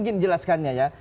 saya ingin jelaskannya ya